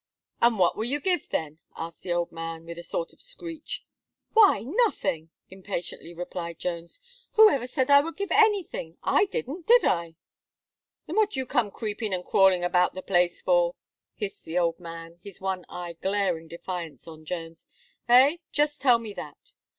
"And what will you give, then?" asked the old man, with a sort of screech. "Why, nothing!" impatiently replied Jones. "Who ever said I would give anything? I didn't did I?" "Then what do you come creeping and crawling about the place for?" hissed the old man, his one eye glaring defiance on Jones, "eh! just tell me that.